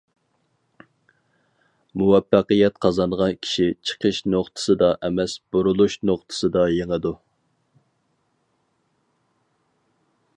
مۇۋەپپەقىيەت قازانغان كىشى چىقىش نۇقتىسىدا ئەمەس، بۇرۇلۇش نۇقتىسىدا يېڭىدۇ.